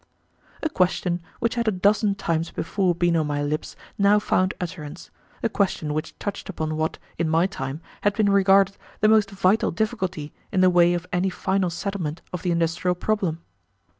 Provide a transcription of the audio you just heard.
A question which had a dozen times before been on my lips now found utterance, a question which touched upon what, in my time, had been regarded the most vital difficulty in the way of any final settlement of the industrial problem.